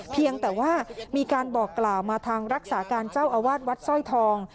เพียงแต่ว่ามีการบอกกล่าวมาทางรักษาการเจ้าอาวาสวัดสร้อยทอง